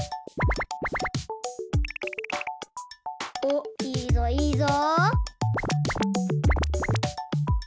おっいいぞいいぞ！